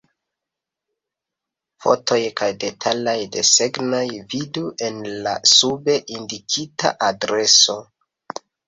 Fotoj kaj detalaj desegnoj vidu en la sube indikita adreso.